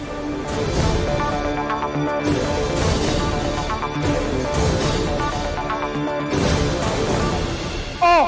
โอโฮไทยแลนด์